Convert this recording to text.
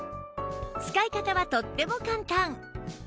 使い方はとっても簡単